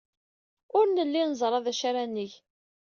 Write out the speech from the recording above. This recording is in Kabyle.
Ur nelli neẓra d acu ara neg.